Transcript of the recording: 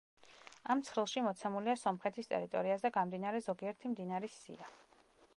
ამ ცხრილში მოცემულია სომხეთის ტერიტორიაზე გამდინარე ზოგიერთი მდინარის სია.